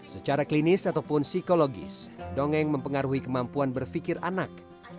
secara klinis ataupun psikologis dongeng mempengaruhi kemampuan berpikir anak